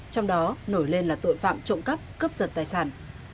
trong đó nổi lên là tội phạm trộm cắp cướp giật tài sản